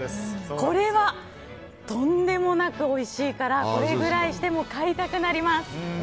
これはとんでもなくおいしいからこれくらいしても買いたくなります。